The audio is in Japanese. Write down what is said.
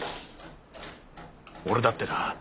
俺だってな